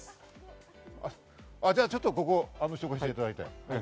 ちょっとここ紹介していただいて。